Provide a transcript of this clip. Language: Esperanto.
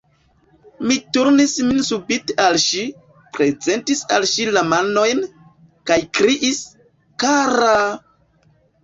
Mi turnis min subite al ŝi, prezentis al ŝi la manojn, kaj kriis: "Kara!"